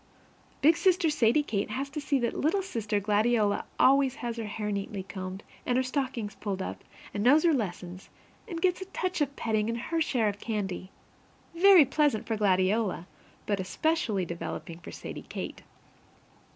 Big sister Sadie Kate has to see that little sister Gladiola always has her hair neatly combed and her stockings pulled up and knows her lessons and gets a touch of petting and her share of candy very pleasant for Gladiola, but especially developing for Sadie Kate.